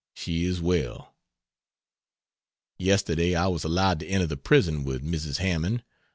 She is well. Yesterday I was allowed to enter the prison with Mrs. Hammond.